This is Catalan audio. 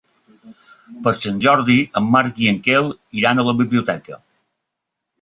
Per Sant Jordi en Marc i en Quel iran a la biblioteca.